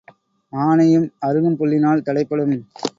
ஆனையும் அறுகம் புல்லினால் தடைப்படும்.